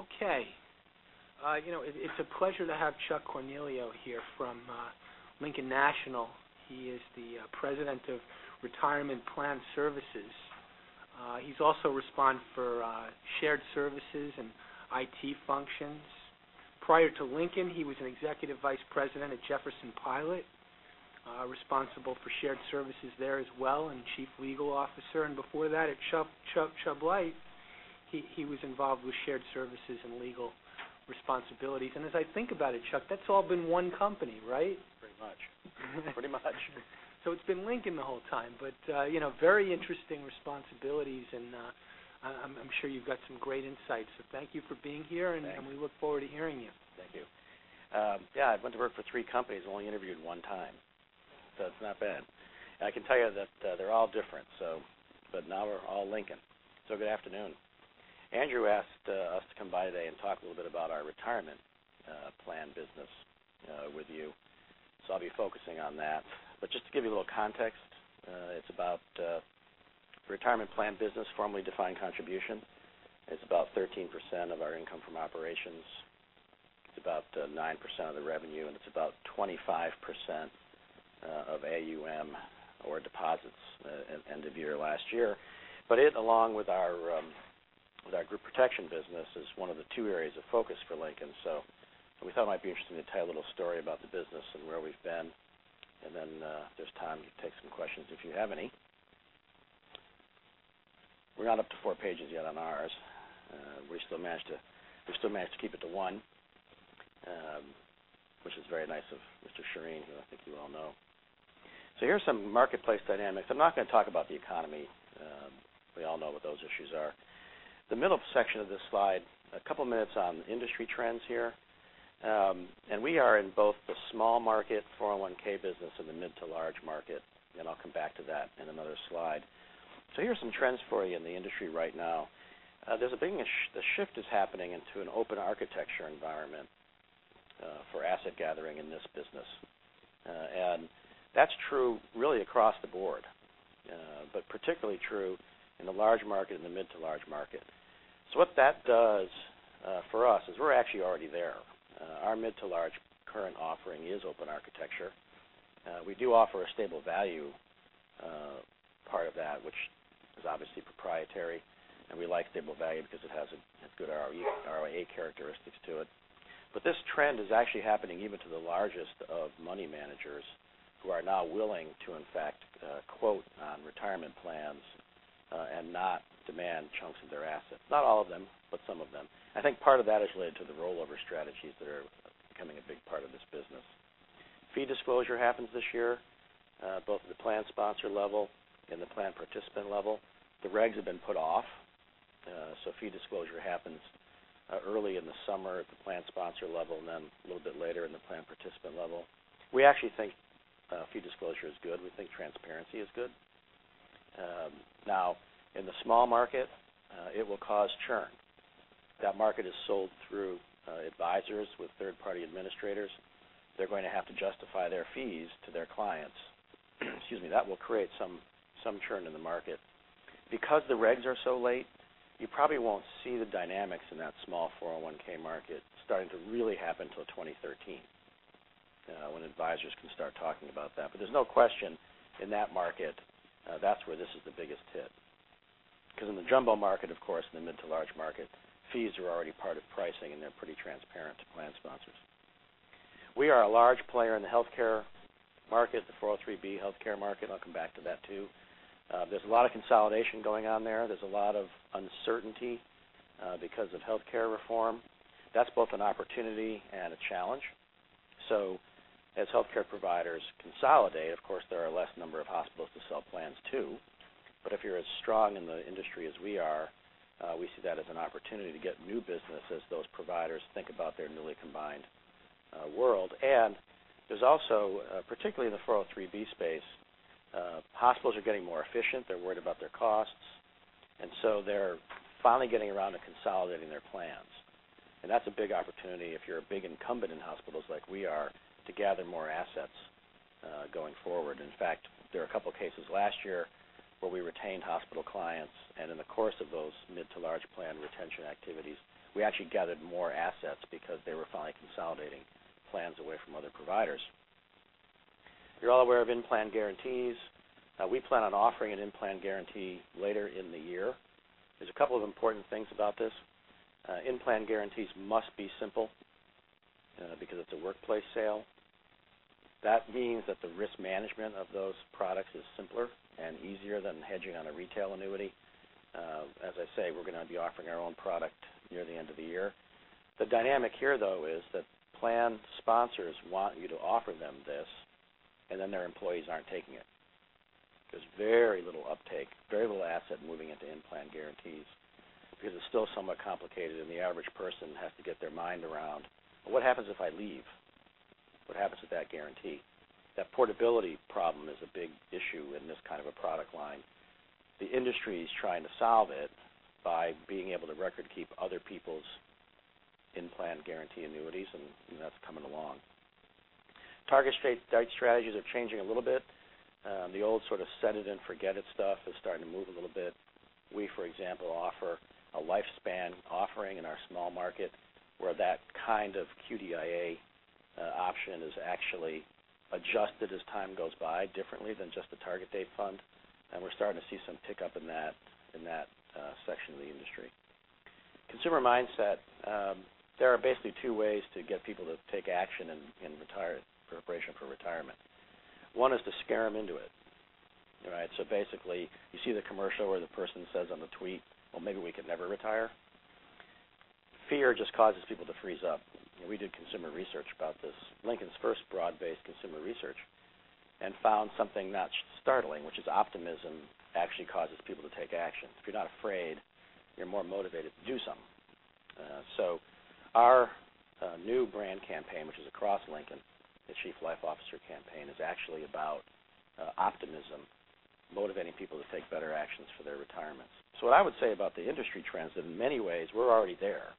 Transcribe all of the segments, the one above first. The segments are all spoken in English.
Okay. It's a pleasure to have Chuck Cornelio here from Lincoln Financial Group. He is the President of Retirement Plan Services. He is also responsible for shared services and IT functions. Prior to Lincoln, he was an Executive Vice President at Jefferson-Pilot, responsible for shared services there as well, and Chief Legal Officer. Before that at Chubb Life, he was involved with shared services and legal responsibilities. As I think about it, Chuck, that's all been one company, right? Pretty much. Pretty much. It's been Lincoln the whole time. Very interesting responsibilities, and I'm sure you've got some great insights. Thank you for being here. Thanks. We look forward to hearing you. Thank you. Yeah, I went to work for three companies and only interviewed one time, so it's not bad. I can tell you that they're all different. Now we're all Lincoln. Good afternoon. Andrew asked us to come by today and talk a little bit about our retirement plan business with you. I'll be focusing on that. Just to give you a little context, it's about retirement plan business, formerly defined contribution. It's about 13% of our income from operations. It's about 9% of the revenue, and it's about 25% of AUM or deposits end of year, last year. It, along with our group protection business, is one of the two areas of focus for Lincoln. We thought it might be interesting to tell you a little story about the business and where we've been, and then if there's time, we can take some questions if you have any. We're not up to four pages yet on ours. We still managed to keep it to one, which is very nice of Mr. Shereen, who I think you all know. Here are some marketplace dynamics. I'm not going to talk about the economy. We all know what those issues are. The middle section of this slide, a couple of minutes on industry trends here. We are in both the small market 401 business and the mid to large market, and I'll come back to that in another slide. Here's some trends for you in the industry right now. There's a big shift happening into an open architecture environment for asset gathering in this business. That's true really across the board, but particularly true in the large market and the mid to large market. What that does for us is we're actually already there. Our mid to large current offering is open architecture. We do offer a stable value part of that, which is obviously proprietary, and we like stable value because it has good ROA characteristics to it. This trend is actually happening even to the largest of money managers, who are now willing to, in fact, quote on retirement plans and not demand chunks of their assets. Not all of them, but some of them. I think part of that is related to the rollover strategies that are becoming a big part of this business. Fee disclosure happens this year, both at the plan sponsor level and the plan participant level. The regs have been put off, fee disclosure happens early in the summer at the plan sponsor level and then a little bit later in the plan participant level. We actually think fee disclosure is good. We think transparency is good. Now, in the small market, it will cause churn. That market is sold through advisors with third-party administrators. They're going to have to justify their fees to their clients. Excuse me. That will create some churn in the market. Because the regs are so late, you probably won't see the dynamics in that small 401 market starting to really happen till 2013, when advisors can start talking about that. There's no question, in that market, that's where this is the biggest hit. In the jumbo market, of course, in the mid to large market, fees are already part of pricing and they're pretty transparent to plan sponsors. We are a large player in the healthcare market, the 403(b) healthcare market. I'll come back to that, too. There's a lot of consolidation going on there. There's a lot of uncertainty because of healthcare reform. That's both an opportunity and a challenge. As healthcare providers consolidate, of course, there are less number of hospitals to sell plans to. If you're as strong in the industry as we are, we see that as an opportunity to get new business as those providers think about their newly combined world. There's also, particularly in the 403(b) space, hospitals are getting more efficient. They're worried about their costs, so they're finally getting around to consolidating their plans. That's a big opportunity if you're a big incumbent in hospitals like we are, to gather more assets going forward. In fact, there were a couple of cases last year where we retained hospital clients, and in the course of those mid to large plan retention activities, we actually gathered more assets because they were finally consolidating plans away from other providers. You're all aware of in-plan guarantees. We plan on offering an in-plan guarantee later in the year. There's a couple of important things about this. In-plan guarantees must be simple because it's a workplace sale. That means that the risk management of those products is simpler and easier than hedging on a retail annuity. As I say, we're going to be offering our own product near the end of the year. The dynamic here, though, is that plan sponsors want you to offer them this. Their employees aren't taking it. There's very little uptake, very little asset moving into in-plan guarantees because it's still somewhat complicated. The average person has to get their mind around, "Well, what happens if I leave? What happens with that guarantee?" That portability problem is a big issue in this kind of a product line. The industry is trying to solve it by being able to record-keep other people's in-plan guarantee annuities, and that's coming along. Target strategies are changing a little bit. The old sort of set it and forget it stuff is starting to move a little bit. We, for example, offer a LifeSpan offering in our small market where that kind of QDIA option is actually adjusted as time goes by differently than just a target date fund. We're starting to see some tick up in that section of the industry. Consumer mindset. There are basically two ways to get people to take action in preparation for retirement. One is to scare them into it. Basically, you see the commercial where the person says on the tweet, "Well, maybe we could never retire." Fear just causes people to freeze up. We did consumer research about this, Lincoln's first broad-based consumer research, found something not startling, which is optimism actually causes people to take action. If you're not afraid, you're more motivated to do something. Our new brand campaign, which is across Lincoln, the Chief Life Officer campaign, is actually about optimism, motivating people to take better actions for their retirements. What I would say about the industry trends that in many ways, we're already there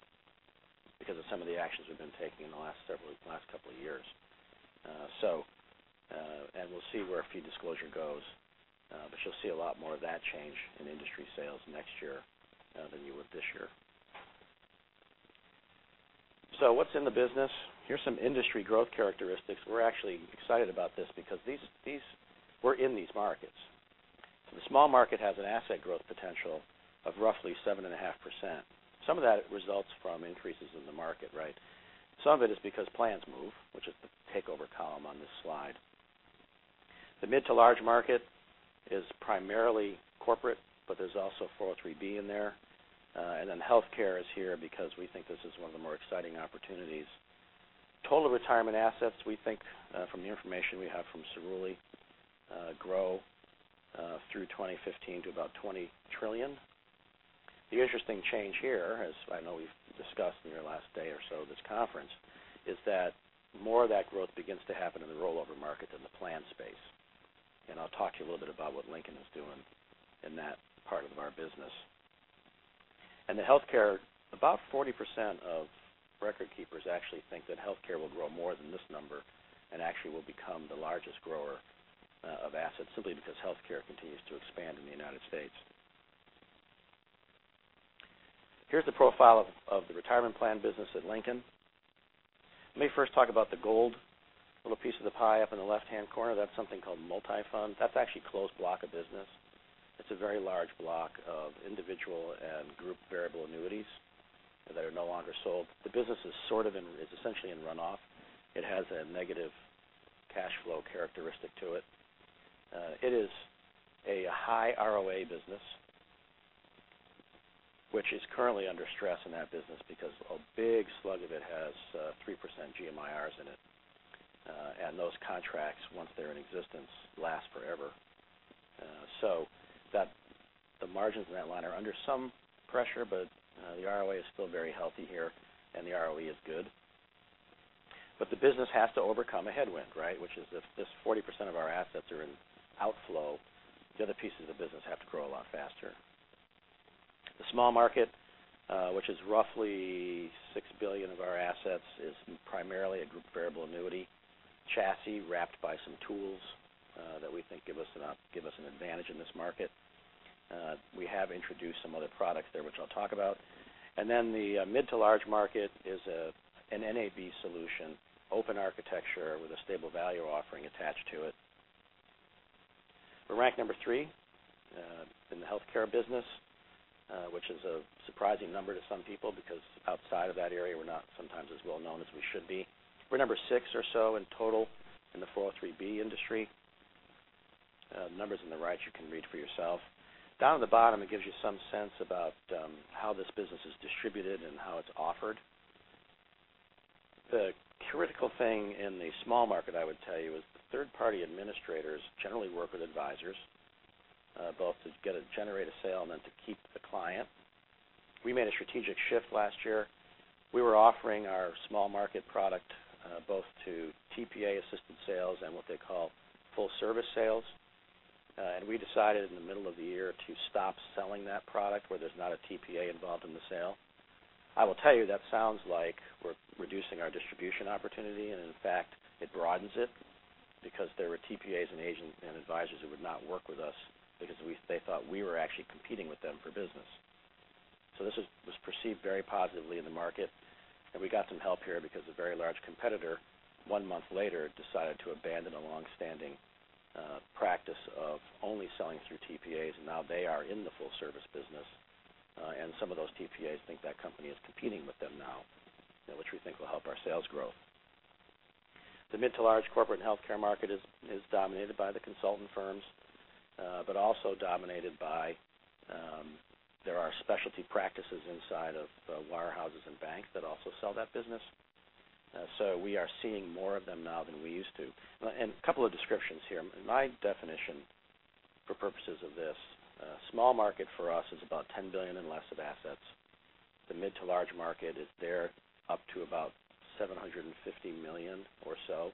because of some of the actions we've been taking in the last couple of years. We'll see where fee disclosure goes, but you'll see a lot more of that change in industry sales next year than you would this year. What's in the business? Here's some industry growth characteristics. We're actually excited about this because we're in these markets. The small market has an asset growth potential of roughly 7.5%. Some of that results from increases in the market. Some of it is because plans move, which is the takeover column on this slide. The mid to large market is primarily corporate, but there's also 403 in there. Healthcare is here because we think this is one of the more exciting opportunities. Total retirement assets, we think, from the information we have from Cerulli, grow through 2015 to about $20 trillion. The interesting change here, as I know we've discussed in your last day or so of this conference, is that more of that growth begins to happen in the rollover market than the plan space. I'll talk to you a little bit about what Lincoln is doing in that part of our business. The healthcare, about 40% of record keepers actually think that healthcare will grow more than this number and actually will become the largest grower of assets simply because healthcare continues to expand in the U.S. Here's the profile of the retirement plan business at Lincoln. Let me first talk about the gold little piece of the pie up in the left-hand corner. That's something called Multi-Fund. That's actually closed block of business. It's a very large block of individual and group variable annuities that are no longer sold. The business is essentially in runoff. It has a negative cash flow characteristic to it. It is a high ROA business, which is currently under stress in that business because a big slug of it has 3% GMIRs in it. Those contracts, once they're in existence, last forever. The margins in that line are under some pressure, but the ROA is still very healthy here, and the ROE is good. The business has to overcome a headwind, which is if this 40% of our assets are in outflow, the other pieces of business have to grow a lot faster. The small market, which is roughly $6 billion of our assets, is primarily a group variable annuity chassis wrapped by some tools that we think give us an advantage in this market. We have introduced some other products there, which I'll talk about. The mid to large market is an NAV solution, open architecture with a stable value offering attached to it. We're ranked number 3 in the healthcare business, which is a surprising number to some people because outside of that area, we're not sometimes as well known as we should be. We're number 6 or so in total in the 403 industry. Numbers on the right you can read for yourself. Down at the bottom, it gives you some sense about how this business is distributed and how it's offered. The critical thing in the small market, I would tell you, is the third-party administrators generally work with advisors, both to generate a sale and then to keep the client. We made a strategic shift last year. We were offering our small market product both to TPA-assisted sales and what they call full-service sales. We decided in the middle of the year to stop selling that product where there's not a TPA involved in the sale. I will tell you that sounds like we're reducing our distribution opportunity, and in fact, it broadens it because there were TPAs and agents and advisors who would not work with us because they thought we were actually competing with them for business. This was perceived very positively in the market. We got some help here because a very large competitor, one month later, decided to abandon a longstanding practice of only selling through TPAs, and now they are in the full-service business. Some of those TPAs think that company is competing with them now, which we think will help our sales grow. The mid to large corporate and healthcare market is dominated by the consultant firms but also dominated by, there are specialty practices inside of wirehouses and banks that also sell that business. We are seeing more of them now than we used to. A couple of descriptions here. My definition for purposes of this, small market for us is about $10 billion and less of assets. The mid to large market is there up to about $750 million or so.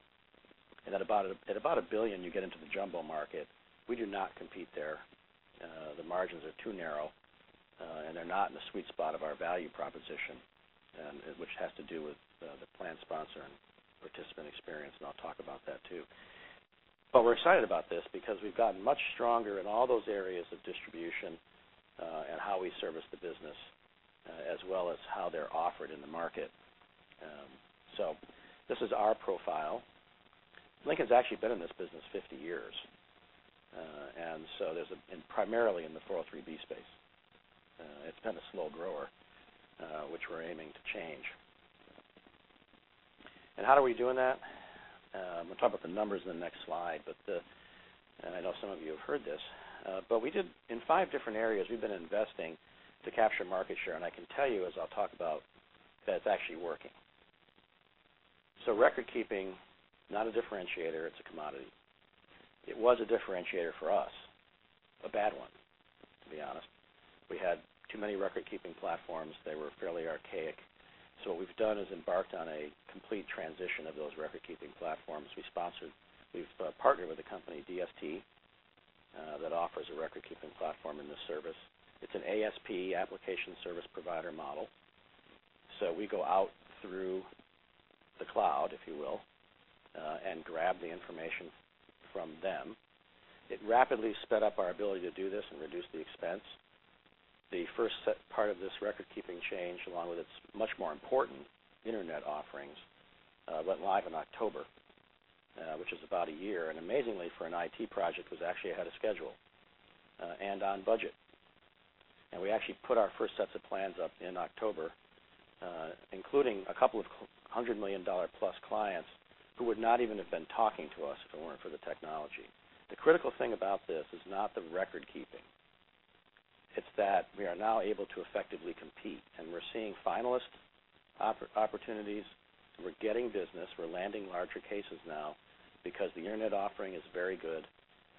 At about $1 billion, you get into the jumbo market. We do not compete there. The margins are too narrow. They're not in the sweet spot of our value proposition, which has to do with the plan sponsor and participant experience, and I'll talk about that too. We're excited about this because we've gotten much stronger in all those areas of distribution and how we service the business, as well as how they're offered in the market. This is our profile. Lincoln's actually been in this business 50 years, and primarily in the 403(b) space. It's been a slow grower, which we're aiming to change. How are we doing that? We'll talk about the numbers in the next slide, and I know some of you have heard this. In five different areas, we've been investing to capture market share, and I can tell you, as I'll talk about, that it's actually working. Record keeping, not a differentiator, it's a commodity. It was a differentiator for us. A bad one, to be honest. We had too many record-keeping platforms. They were fairly archaic. What we've done is embarked on a complete transition of those record-keeping platforms. We've partnered with a company, DST, that offers a record-keeping platform in this service. It's an ASP, application service provider model. We go out through the cloud, if you will, and grab the information from them. It rapidly sped up our ability to do this and reduced the expense. The first part of this record keeping change, along with its much more important internet offerings, went live in October, which is about a year. Amazingly, for an IT project, it was actually ahead of schedule and on budget. We actually put our first sets of plans up in October, including a couple of $100 million-plus clients who would not even have been talking to us if it weren't for the technology. The critical thing about this is not the record keeping. It's that we are now able to effectively compete. We're seeing finalist opportunities. We're getting business. We're landing larger cases now because the internet offering is very good,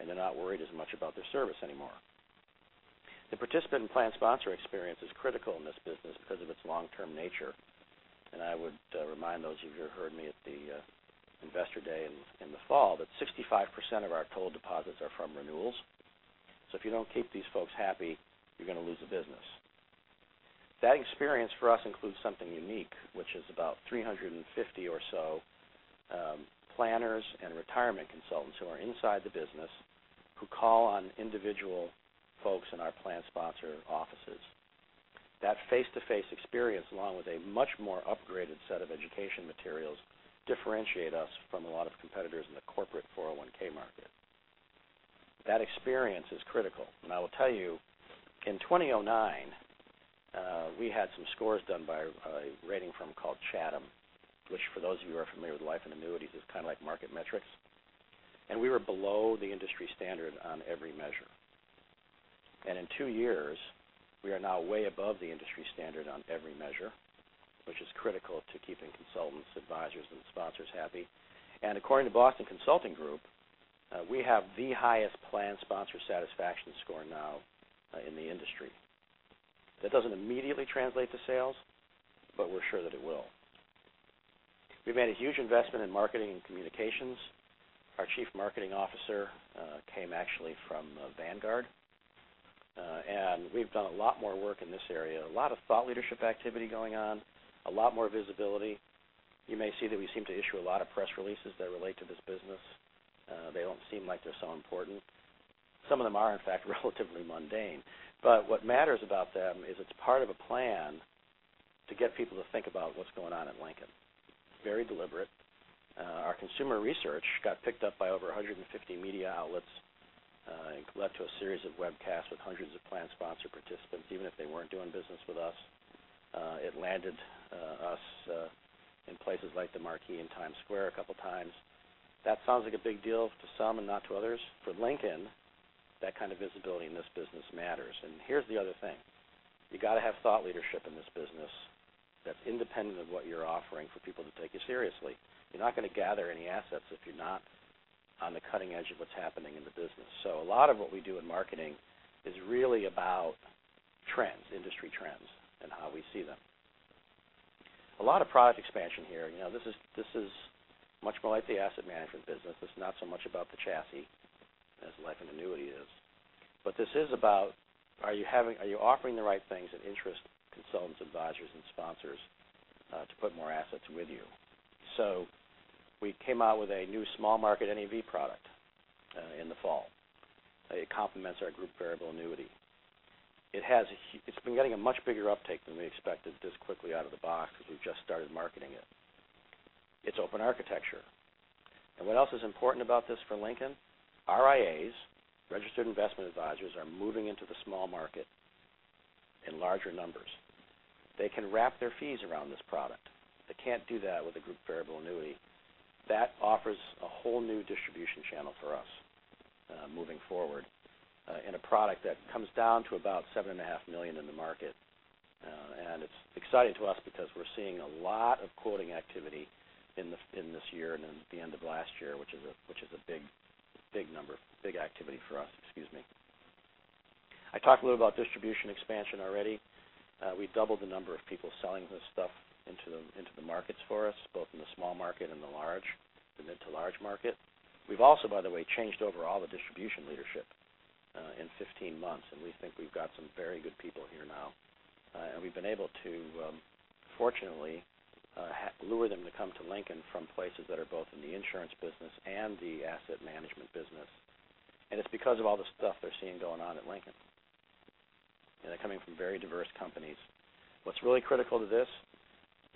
and they're not worried as much about their service anymore. The participant and plan sponsor experience is critical in this business because of its long-term nature. I would remind those of you who heard me at the investor day in the fall that 65% of our total deposits are from renewals. If you don't keep these folks happy, you're going to lose the business. That experience for us includes something unique, which is about 350 or so planners and retirement consultants who are inside the business who call on individual folks in our plan sponsor offices. That face-to-face experience, along with a much more upgraded set of education materials, differentiate us from a lot of competitors in the corporate 401 market. That experience is critical. I will tell you, in 2009, we had some scores done by a rating firm called Chatham, which, for those of you who are familiar with life and annuities, is kind of like Market Metrics. We were below the industry standard on every measure. In two years, we are now way above the industry standard on every measure, which is critical to keeping consultants, advisors, and sponsors happy. According to Boston Consulting Group, we have the highest plan sponsor satisfaction score now in the industry. We're sure that it will. We've made a huge investment in marketing and communications. Our chief marketing officer came actually from Vanguard. We've done a lot more work in this area. A lot of thought leadership activity going on, a lot more visibility. You may see that we seem to issue a lot of press releases that relate to this business. They don't seem like they're so important. Some of them are, in fact, relatively mundane. What matters about them is it's part of a plan to get people to think about what's going on at Lincoln. Very deliberate. Our consumer research got picked up by over 150 media outlets. It led to a series of webcasts with hundreds of plan sponsor participants, even if they weren't doing business with us. It landed us in places like the marquee in Times Square a couple times. That sounds like a big deal to some and not to others. For Lincoln, that kind of visibility in this business matters. Here's the other thing. You got to have thought leadership in this business that's independent of what you're offering for people to take you seriously. You're not going to gather any assets if you're not on the cutting edge of what's happening in the business. A lot of what we do in marketing is really about trends, industry trends, and how we see them. A lot of product expansion here. This is much more like the asset management business. It's not so much about the chassis as life and annuity is. This is about, are you offering the right things that interest consultants, advisors, and sponsors to put more assets with you? We came out with a new small market NAV product in the fall. It complements our group variable annuity. It's been getting a much bigger uptake than we expected this quickly out of the box because we've just started marketing it. It's open architecture. What else is important about this for Lincoln? RIAs, registered investment advisors, are moving into the small market in larger numbers. They can wrap their fees around this product. They can't do that with a group variable annuity. That offers a whole new distribution channel for us moving forward in a product that comes down to about $7.5 million in the market. It's exciting to us because we're seeing a lot of quoting activity in this year and then at the end of last year, which is a big activity for us. Excuse me. I talked a little about distribution expansion already. We've doubled the number of people selling this stuff into the markets for us, both in the small market and the mid to large market. We've also, by the way, changed over all the distribution leadership in 15 months, and we think we've got some very good people here now. We've been able to, fortunately, lure them to come to Lincoln from places that are both in the insurance business and the asset management business. It's because of all the stuff they're seeing going on at Lincoln. They're coming from very diverse companies. What's really critical to this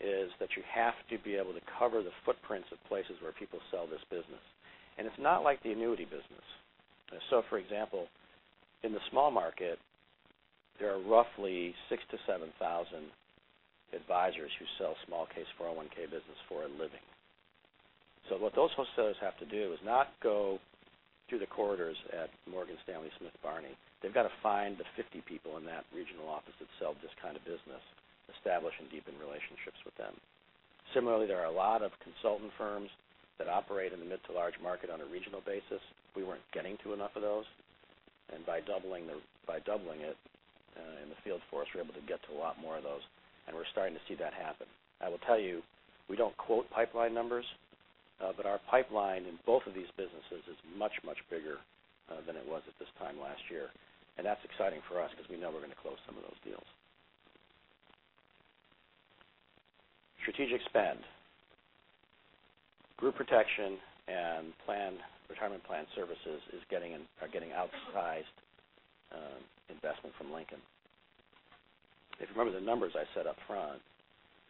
is that you have to be able to cover the footprints of places where people sell this business. It's not like the annuity business. For example, in the small market, there are roughly 6,000 to 7,000 advisors who sell small case 401(k) business for a living. What those wholesalers have to do is not go through the corridors at Morgan Stanley Smith Barney. They've got to find the 50 people in that regional office that sell this kind of business, establish and deepen relationships with them. Similarly, there are a lot of consultant firms that operate in the mid to large market on a regional basis. We weren't getting to enough of those. By doubling it in the field force, we're able to get to a lot more of those, and we're starting to see that happen. I will tell you, we don't quote pipeline numbers, but our pipeline in both of these businesses is much, much bigger than it was at this time last year. That's exciting for us because we know we're going to close some of those deals. Strategic spend. Group protection and Retirement Plan Services are getting outsized investment from Lincoln. If you remember the numbers I said up front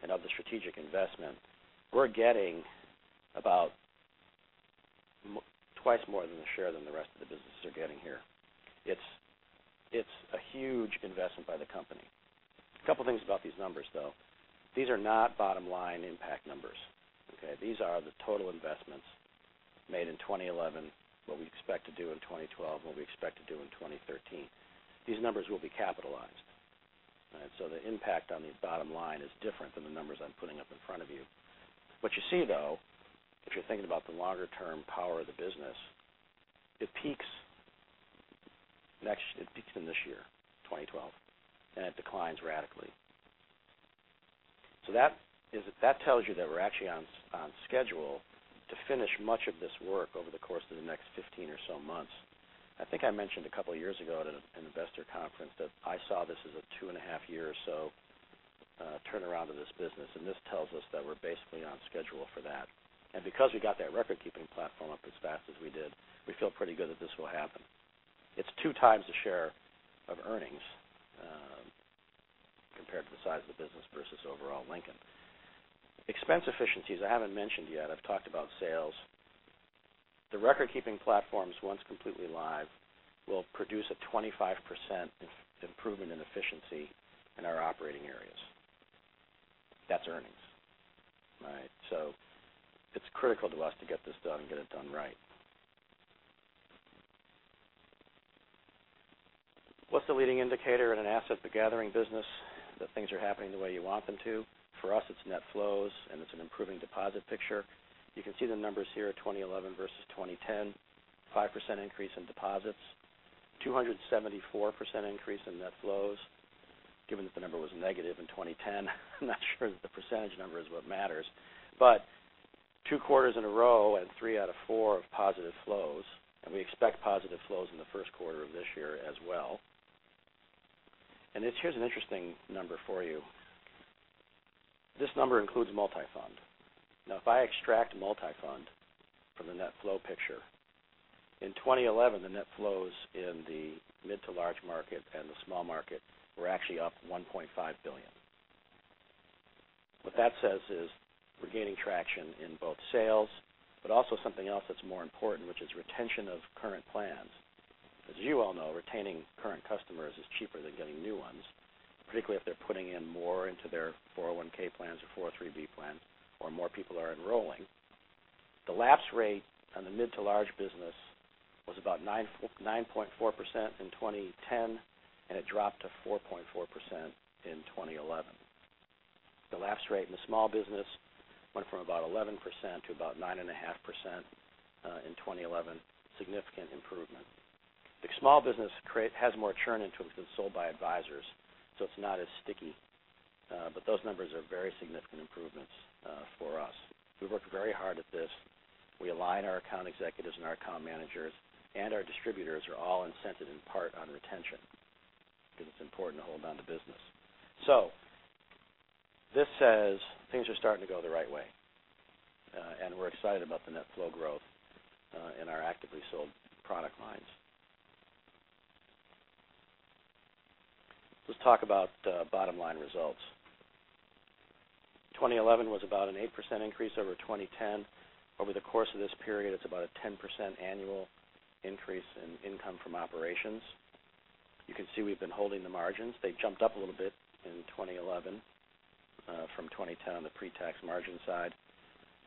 and of the strategic investment, we're getting about twice more than the share than the rest of the businesses are getting here. It's a huge investment by the company. A couple things about these numbers, though. These are not bottom-line impact numbers, okay? These are the total investments made in 2011, what we expect to do in 2012, and what we expect to do in 2013. These numbers will be capitalized. All right? The impact on the bottom line is different than the numbers I'm putting up in front of you. What you see, though, if you're thinking about the longer-term power of the business, it peaks in this year, 2012, and it declines radically. That tells you that we're actually on schedule to finish much of this work over the course of the next 15 or so months. I think I mentioned a couple of years ago at an investor conference that I saw this as a two and a half year or so turnaround of this business, and this tells us that we're basically on schedule for that. Because we got that record-keeping platform up as fast as we did, we feel pretty good that this will happen. It's two times the share of earnings compared to the size of the business versus overall Lincoln. Expense efficiencies I haven't mentioned yet. I've talked about sales. The record-keeping platforms, once completely live, will produce a 25% improvement in efficiency in our operating areas. That's earnings. All right? It's critical to us to get this done and get it done right. What's the leading indicator in an asset gathering business, that things are happening the way you want them to? For us, it's net flows, and it's an improving deposit picture. You can see the numbers here, 2011 versus 2010, 5% increase in deposits, 274% increase in net flows. Given that the number was negative in 2010, I'm not sure that the percentage number is what matters. Two quarters in a row and three out of four have positive flows, and we expect positive flows in the first quarter of this year as well. Here's an interesting number for you. This number includes Multi-Fund. Now, if I extract Multi-Fund from the net flow picture, in 2011, the net flows in the mid to large market and the small market were actually up $1.5 billion. What that says is we're gaining traction in both sales, also something else that's more important, which is retention of current plans. As you all know, retaining current customers is cheaper than getting new ones, particularly if they're putting in more into their 401 plans or 403 plans, or more people are enrolling. The lapse rate on the mid to large business was about 9.4% in 2010, and it dropped to 4.4% in 2011. The lapse rate in the small business went from about 11% to about 9.5% in 2011. Significant improvement. The small business has more churn into it because it's sold by advisors, so it's not as sticky. Those numbers are very significant improvements for us. We've worked very hard at this. We align our account executives and our account managers, our distributors are all incented in part on retention because it's important to hold onto business. This says things are starting to go the right way. We're excited about the net flow growth in our actively sold product lines. Let's talk about bottom-line results. 2011 was about an 8% increase over 2010. Over the course of this period, it's about a 10% annual increase in income from operations. You can see we've been holding the margins. They jumped up a little bit in 2011 from 2010 on the pre-tax margin side.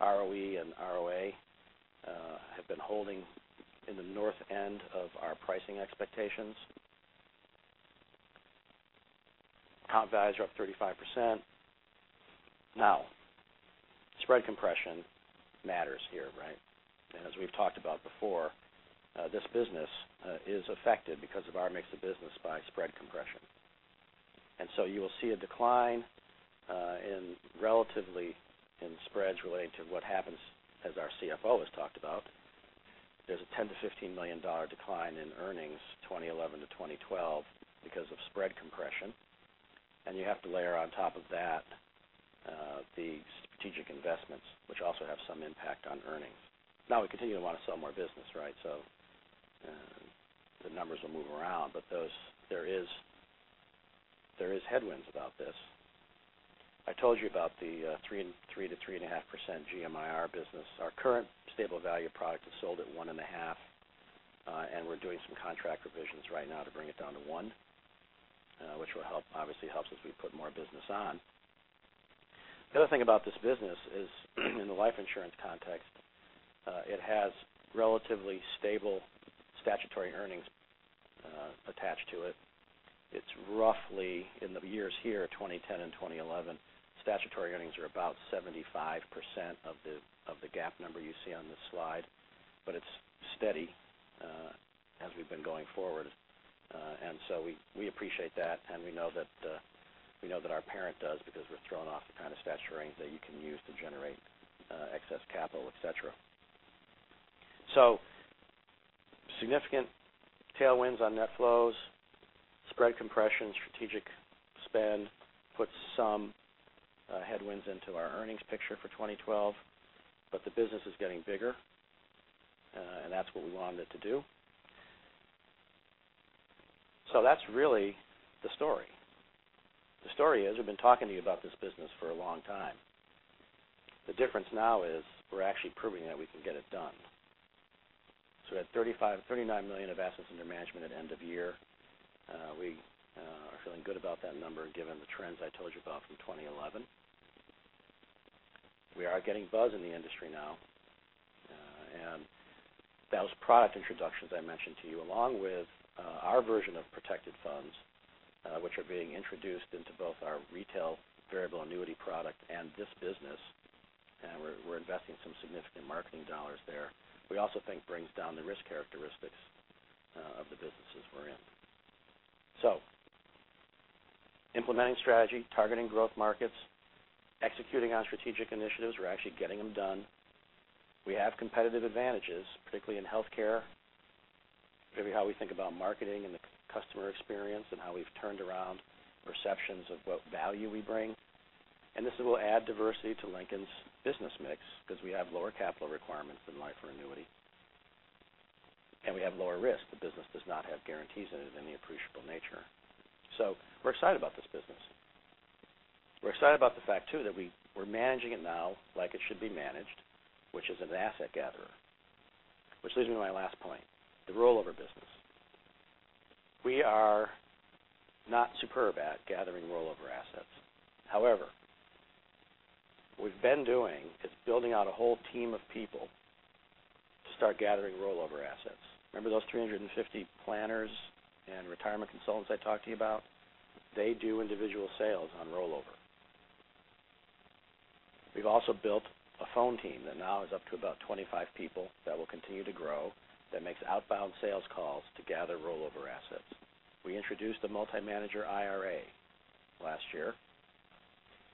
ROE and ROA have been holding in the north end of our pricing expectations. Account values are up 35%. Spread compression matters here, right? As we've talked about before, this business is affected because of our mix of business by spread compression. You will see a decline in spreads relating to what happens, as our CFO has talked about. There is a $10 million-$15 million decline in earnings 2011 to 2012 because of spread compression. You have to layer on top of that the strategic investments, which also have some impact on earnings. We continue to want to sell more business, right? The numbers will move around. There is headwinds about this. I told you about the 3%-3.5% GMIR business. Our current stable value product is sold at 1.5%, and we are doing some contract revisions right now to bring it down to 1%, which obviously helps as we put more business on. The other thing about this business is, in the life insurance context, it has relatively stable statutory earnings attached to it. It is roughly in the years here, 2010 and 2011, statutory earnings are about 75% of the GAAP number you see on this slide. It is steady as we have been going forward. We appreciate that, and we know that our parent does because we are throwing off the kind of statutory earnings that you can use to generate excess capital, et cetera. Significant tailwinds on net flows, spread compression, strategic spend puts some headwinds into our earnings picture for 2012. The business is getting bigger, and that is what we wanted it to do. That is really the story. The story is we have been talking to you about this business for a long time. The difference now is we are actually proving that we can get it done. We had $39 billion of assets under management at end of year. We are feeling good about that number given the trends I told you about from 2011. We are getting buzz in the industry now. Those product introductions I mentioned to you, along with our version of protected funds, which are being introduced into both our retail variable annuity product and this business, and we are investing some significant $ marketing dollars there. We also think brings down the risk characteristics of the businesses we are in. Implementing strategy, targeting growth markets, executing on strategic initiatives. We are actually getting them done. We have competitive advantages, particularly in healthcare, maybe how we think about marketing and the customer experience, and how we have turned around perceptions of what value we bring. This will add diversity to Lincoln's business mix because we have lower capital requirements than life or annuity, and we have lower risk. The business does not have guarantees in it of any appreciable nature. We are excited about this business. We are excited about the fact too that we are managing it now like it should be managed, which is an asset gatherer. Which leads me to my last point, the rollover business. We are not superb at gathering rollover assets. However, what we have been doing is building out a whole team of people to start gathering rollover assets. Remember those 350 planners and retirement consultants I talked to you about? They do individual sales on rollover. We have also built a phone team that now is up to about 25 people, that will continue to grow, that makes outbound sales calls to gather rollover assets. We introduced a multi-manager IRA last year.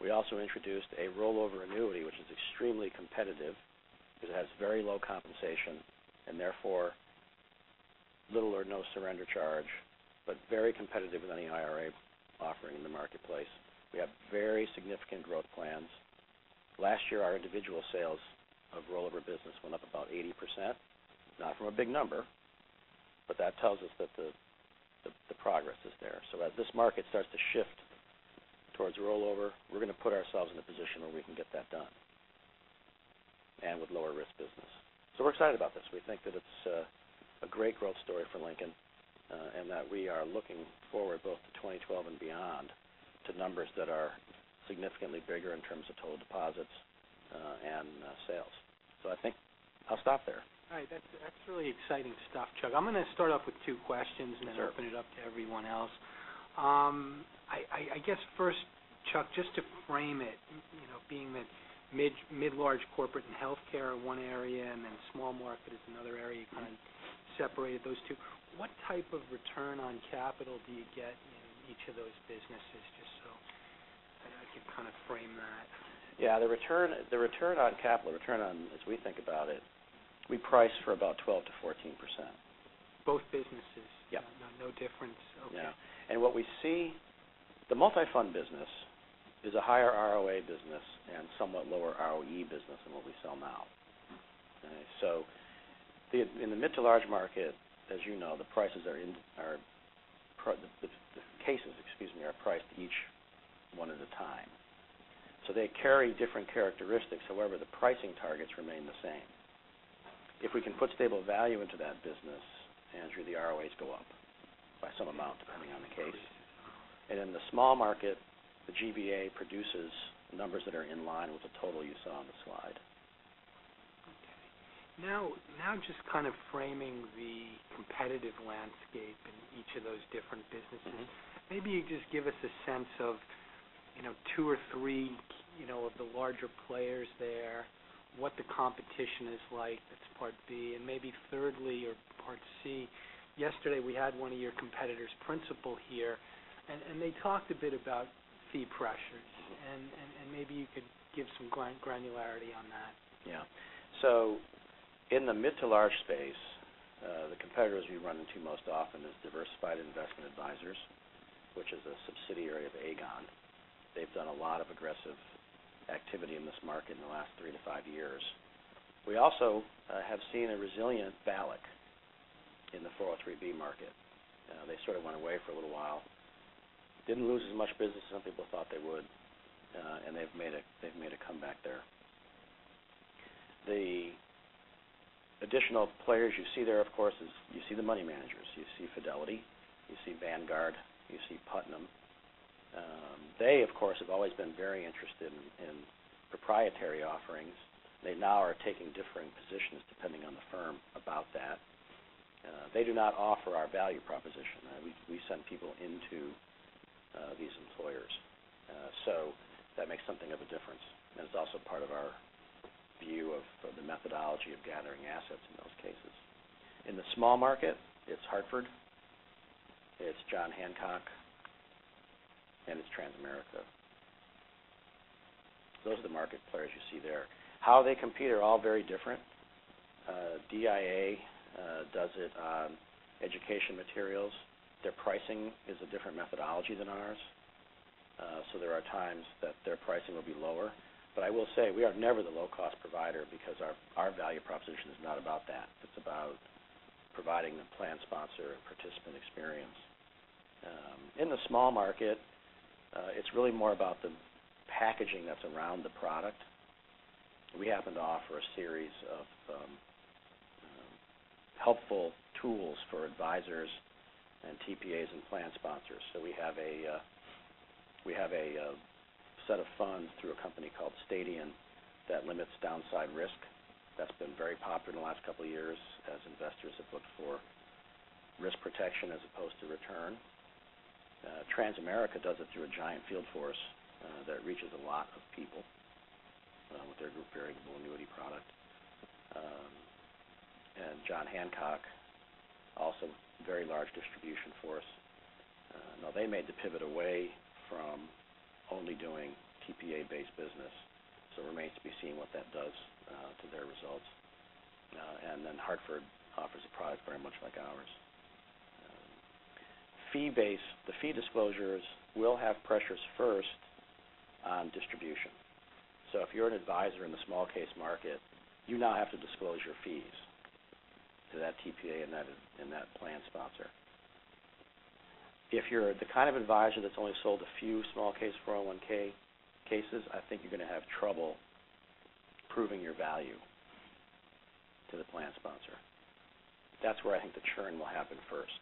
We also introduced a rollover annuity, which is extremely competitive because it has very low compensation and therefore little or no surrender charge, but very competitive with any IRA offering in the marketplace. We have very significant growth plans. Last year, our individual sales of rollover business went up about 80%. Not from a big number, but that tells us that the progress is there. As this market starts to shift towards rollover, we're going to put ourselves in a position where we can get that done and with lower risk business. We're excited about this. We think that it's a great growth story for Lincoln and that we are looking forward both to 2012 and beyond to numbers that are significantly bigger in terms of total deposits and sales. I think I'll stop there. All right. That's really exciting stuff, Chuck. I'm going to start off with two questions and then open it up to everyone else. I guess first, Chuck, just to frame it, being that mid-large corporate and healthcare are one area and then small market is another area, you kind of separated those two. What type of return on capital do you get in each of those businesses? I could kind of frame that. Yeah. The return on capital, as we think about it, we price for about 12%-14%. Both businesses. Yep. No difference. Okay. Yeah. The Multi-Fund business is a higher ROA business and somewhat lower ROE business than what we sell now. In the mid to large market, as you know, the cases are priced each one at a time. They carry different characteristics. However, the pricing targets remain the same. If we can put stable value into that business, Andrew, the ROAs go up by some amount, depending on the case. In the small market, the GVA produces numbers that are in line with the total you saw on the slide. Just kind of framing the competitive landscape in each of those different businesses, maybe you just give us a sense of two or three of the larger players there, what the competition is like, that's part B. Maybe thirdly or part C, yesterday we had one of your competitors, Principal, here, and they talked a bit about fee pressures. Maybe you could give some granularity on that. Yeah. In the mid to large space, the competitors we run into most often is Diversified Investment Advisors, which is a subsidiary of Aegon. They've done a lot of aggressive activity in this market in the last three to five years. We also have seen a resilient VALIC in the 403 market. They sort of went away for a little while. Didn't lose as much business as some people thought they would. They've made a comeback there. The additional players you see there, of course, is you see the money managers. You see Fidelity, you see Vanguard, you see Putnam. They of course, have always been very interested in proprietary offerings. They now are taking differing positions depending on the firm about that. They do not offer our value proposition. We send people into these employers. That makes something of a difference, it's also part of our view of the methodology of gathering assets in those cases. In the small market, it's The Hartford, it's John Hancock, and it's Transamerica. Those are the market players you see there. How they compete are all very different. DIA does it on education materials. Their pricing is a different methodology than ours. There are times that their pricing will be lower. I will say, we are never the low-cost provider because our value proposition is not about that. It's about providing the plan sponsor a participant experience. In the small market, it's really more about the packaging that's around the product. We have a set of funds through a company called Stadion that limits downside risk. That's been very popular in the last couple of years as investors have looked for risk protection as opposed to return. Transamerica does it through a giant field force that reaches a lot of people with their group variable annuity product. John Hancock, also very large distribution force. They made the pivot away from only doing TPA-based business, it remains to be seen what that does to their results. The Hartford offers a product very much like ours. The fee disclosures will have pressures first on distribution. If you're an advisor in the small case market, you now have to disclose your fees to that TPA and that plan sponsor. If you're the kind of advisor that's only sold a few small case 401(k) cases, I think you're going to have trouble proving your value to the plan sponsor. That's where I think the churn will happen first.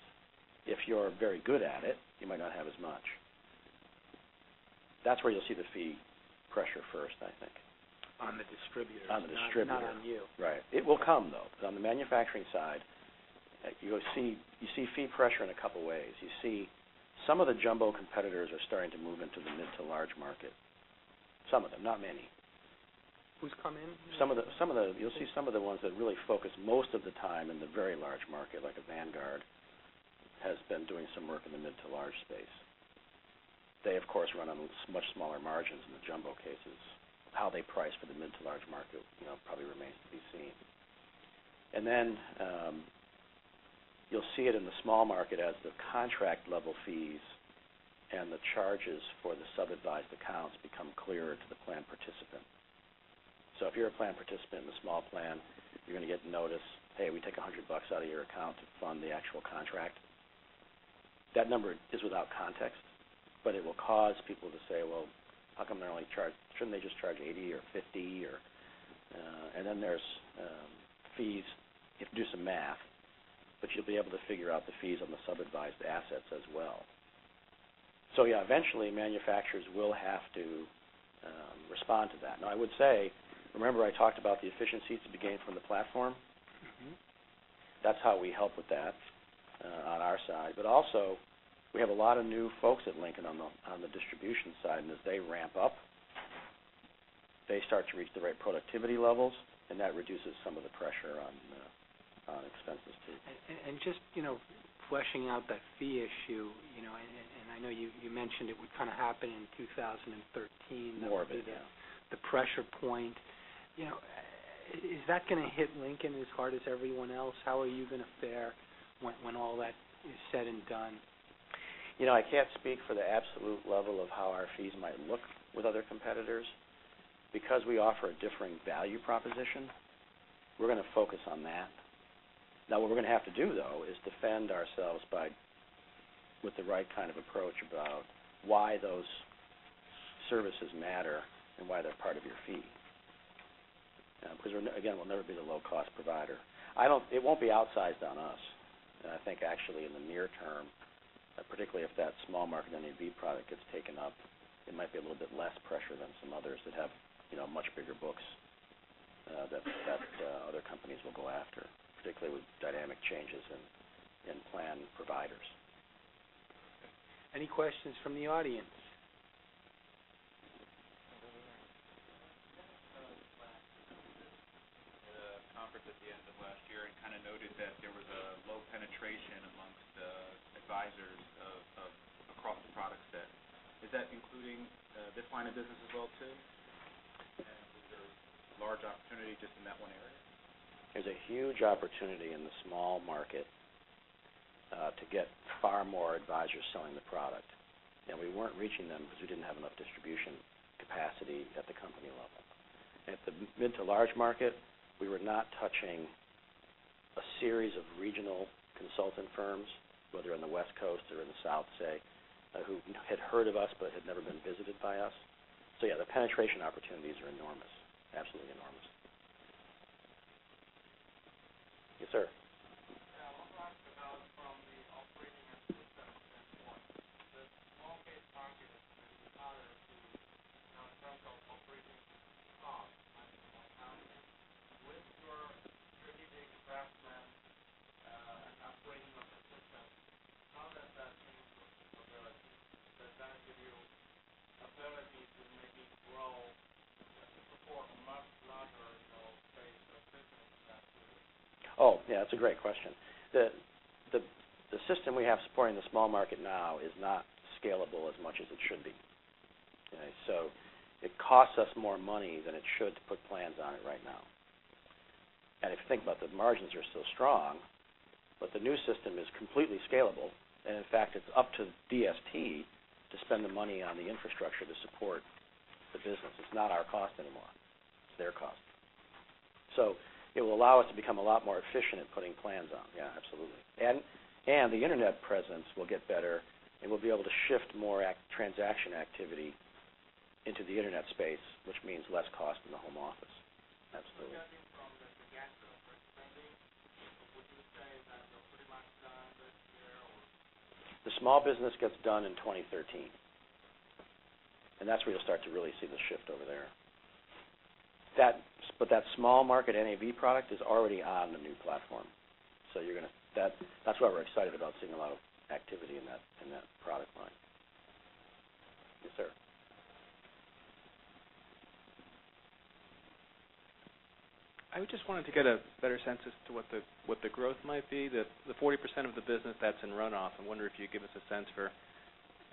If you're very good at it, you might not have as much. That's where you'll see the fee pressure first, I think. On the distributors. On the distributor. not on you. Right. It will come, though. On the manufacturing side, you see fee pressure in a couple ways. You see some of the jumbo competitors are starting to move into the mid to large market. Some of them, not many. Who's come in? You'll see some of the ones that really focus most of the time in the very large market, like a Vanguard, has been doing some work in the mid to large space. They, of course, run on much smaller margins in the jumbo cases. How they price for the mid to large market probably remains to be seen. Then, you'll see it in the small market as the contract level fees and the charges for the sub-advised accounts become clearer to the plan participant. If you're a plan participant in the small plan, you're going to get the notice, "Hey, we take $100 out of your account to fund the actual contract." That number is without context, but it will cause people to say, "Well, how come they only charge? Shouldn't they just charge $80 or $50?" Then there's fees, if you do some math, but you'll be able to figure out the fees on the sub-advised assets as well. Yeah, eventually manufacturers will have to respond to that. I would say, remember I talked about the efficiencies of the gain from the platform? That's how we help with that on our side. Also, we have a lot of new folks at Lincoln on the distribution side, and as they ramp up, they start to reach the right productivity levels, and that reduces some of the pressure on expenses, too. Just fleshing out that fee issue, and I know you mentioned it would kind of happen in 2013. More of it, yeah the pressure point. Is that going to hit Lincoln as hard as everyone else? How are you going to fare when all that is said and done? I can't speak for the absolute level of how our fees might look with other competitors. We offer a differing value proposition, we're going to focus on that. What we're going to have to do, though, is defend ourselves with the right kind of approach about why those services matter and why they're part of your fee. Again, we'll never be the low-cost provider. It won't be outsized on us. I think actually in the near term, particularly if that small market NAV product gets taken up, it might be a little bit less pressure than some others that have much bigger books that other companies will go after, particularly with dynamic changes in plan providers. Any questions from the audience? At a conference at the end of last year noted that there was a low penetration amongst advisors across the product set. Is that including this line of business as well too? Is there a large opportunity just in that one area? There's a huge opportunity in the small market to get far more advisors selling the product. We weren't reaching them because we didn't have enough distribution capacity at the company level. At the mid to large market, we were not touching a series of regional consultant firms, whether in the West Coast or in the South, say, who had heard of us but had never been visited by us. Yeah, the penetration opportunities are enormous. Absolutely enormous. Yes, sir. Yeah, I want to ask about from the operating and business standpoint, the small case market is harder in terms of operating cost and handling. With your strategic investment and upgrading of the system, how does that change your capability? Does that give you ability to maybe grow to support a much larger space or system in that area? Yeah. That's a great question. The system we have supporting the small market now is not scalable as much as it should be. It costs us more money than it should to put plans on it right now. If you think about the margins are still strong, but the new system is completely scalable. In fact, it's up to DST to spend the money on the infrastructure to support the business. It's not our cost anymore. It's their cost. It will allow us to become a lot more efficient at putting plans on. Yeah, absolutely. The internet presence will get better, and we'll be able to shift more transaction activity into the internet space, which means less cost in the home office. Absolutely. Judging from the CapEx spending, would you say that they're pretty much done this year or? The small business gets done in 2013. That's where you'll start to really see the shift over there. That small market NAV product is already on the new platform. That's why we're excited about seeing a lot of activity in that product line. Yes, sir. I just wanted to get a better sense as to what the growth might be. The 40% of the business that's in runoff. I wonder if you'd give us a sense for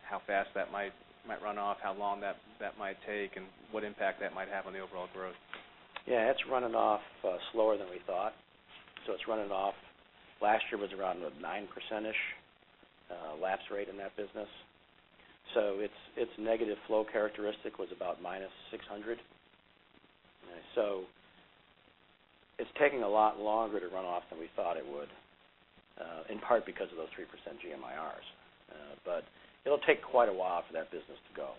how fast that might run off, how long that might take, and what impact that might have on the overall growth. Yeah, it's running off slower than we thought. It's running off. Last year was around a 9% lapse rate in that business. Its negative flow characteristic was about -$600. It's taking a lot longer to run off than we thought it would, in part because of those 3% GMIRs. It'll take quite a while for that business to go.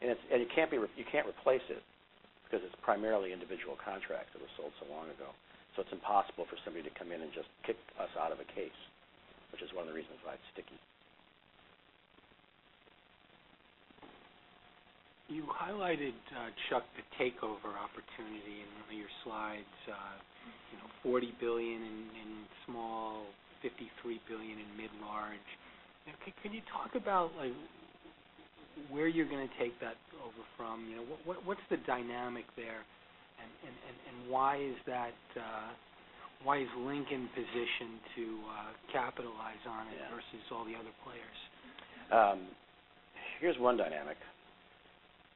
You can't replace it because it's primarily individual contracts that was sold so long ago. It's impossible for somebody to come in and just kick us out of a case, which is one of the reasons why it's sticky. You highlighted, Chuck, the takeover opportunity in one of your slides, $40 billion in small, $53 billion in mid-large. Can you talk about where you're going to take that over from? What's the dynamic there, and why is Lincoln positioned to capitalize on it versus all the other players? Here's one dynamic.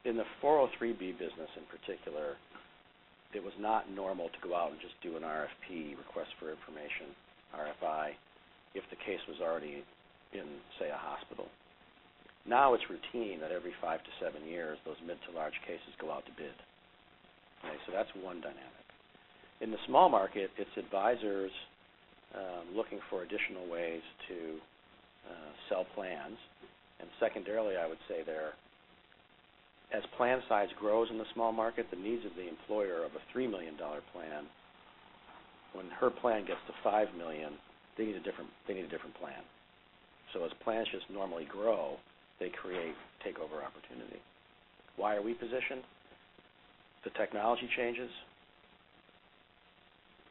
In the 403(b) business in particular, it was not normal to go out and just do an RFP, request for information, RFI, if the case was already in, say, a hospital. Now it's routine that every five to seven years, those mid-to-large cases go out to bid. That's one dynamic. In the small market, it's advisors looking for additional ways to sell plans. Secondarily, I would say there, as plan size grows in the small market, the needs of the employer of a $3 million plan, when her plan gets to $5 million, they need a different plan. As plans just normally grow, they create takeover opportunity. Why are we positioned? The technology changes.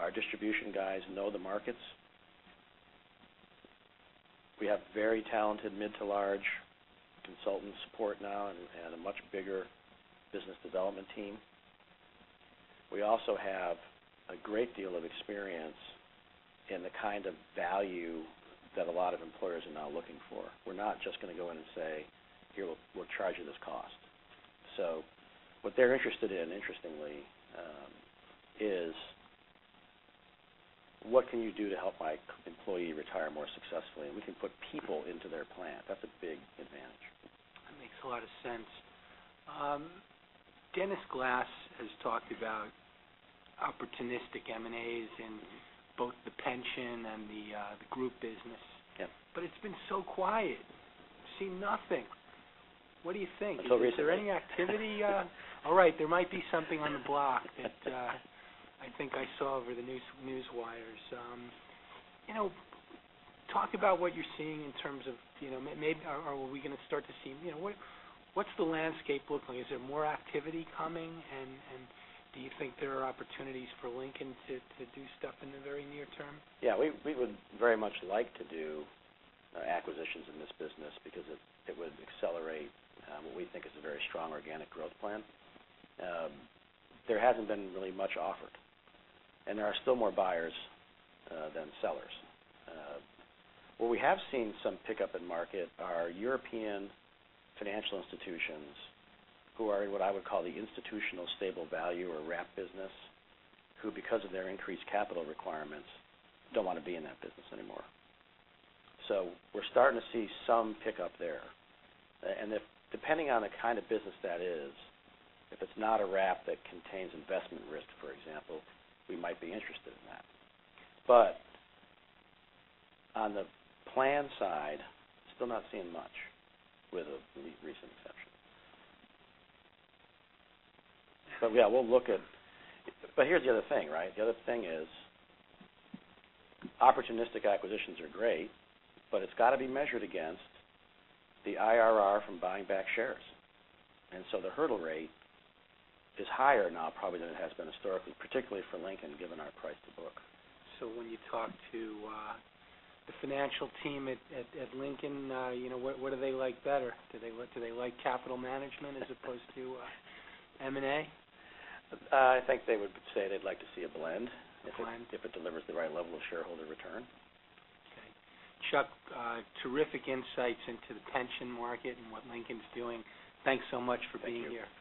Our distribution guys know the markets. We have very talented mid-to-large consultant support now and a much bigger business development team. We also have a great deal of experience in the kind of value that a lot of employers are now looking for. We're not just going to go in and say, "Here, we'll charge you this cost." What they're interested in, interestingly, is what can you do to help my employee retire more successfully? We can put people into their plan. That's a big advantage. That makes a lot of sense. Dennis Glass has talked about opportunistic M&As in both the pension and the group business. Yep. It's been so quiet. We've seen nothing. What do you think? That's all recent. Is there any activity? All right. There might be something on the block that I think I saw over the news wires. Talk about what you're seeing in terms of what's the landscape look like? Is there more activity coming, and do you think there are opportunities for Lincoln to do stuff in the very near term? We would very much like to do acquisitions in this business because it would accelerate what we think is a very strong organic growth plan. There hasn't been really much offered, and there are still more buyers than sellers. Where we have seen some pickup in market are European financial institutions who are in what I would call the institutional stable value or wrap business, who because of their increased capital requirements, don't want to be in that business anymore. We're starting to see some pickup there. Depending on the kind of business that is, if it's not a wrap that contains investment risk, for example, we might be interested in that. On the plan side, still not seeing much with the recent exception. Yeah. Here's the other thing, right? The other thing is opportunistic acquisitions are great, but it's got to be measured against the IRR from buying back shares. The hurdle rate is higher now probably than it has been historically, particularly for Lincoln, given our price to book. When you talk to the financial team at Lincoln, what do they like better? Do they like capital management as opposed to M&A? I think they would say they'd like to see a blend. A blend. if it delivers the right level of shareholder return. Okay. Chuck, terrific insights into the pension market and what Lincoln's doing. Thanks so much for being here.